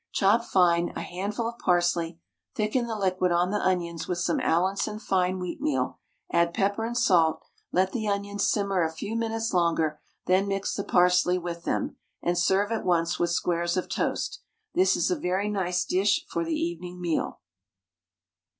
Chop fine a handful of parsley, thicken the liquid on the onions with some Allinson fine wheatmeal, add pepper and salt; let the onions simmer a few minutes longer, then mix the parsley with them, and serve at once with squares of toast. This is a very nice dish for the evening meal.